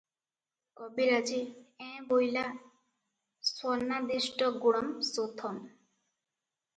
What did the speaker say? " କବିରାଜେ, "ଏଁ ବୋଇଲା, ସ୍ୱର୍ଣ୍ଣାଦିଷ୍ଟଗୁଣଂ ଶୋଥଂ ।